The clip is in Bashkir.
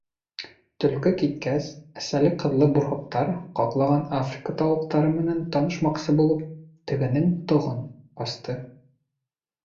Төлкө киткәс, әсәле-ҡыҙлы бурһыҡтар, ҡаҡлаған Африка тауыҡтары менән танышмаҡсы булып, тегенең тоғон асты.